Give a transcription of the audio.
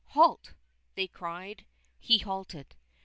" Halt !" they cried. He halted.